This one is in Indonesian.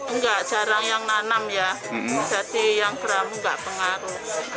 enggak jarang yang nanam ya jadi yang gram nggak pengaruh